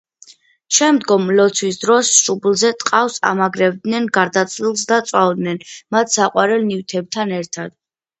შემდგომ, ლოცვის დროს, შუბლზე ტყავს ამაგრებდნენ გარდაცვლილს და წვავდნენ მათ საყვარელ ნივთებთან ერთად.